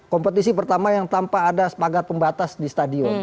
kompetisi pertama yang tanpa ada pagar pembatas di stadion